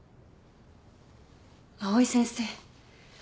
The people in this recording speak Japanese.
藍井先生。